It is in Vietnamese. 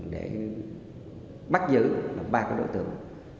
để bắt giữ ba đối tượng